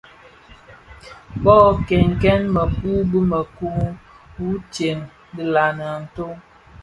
Bō kènkèn mëkun bi mëkun, wutsem dhi nlami a ntoo.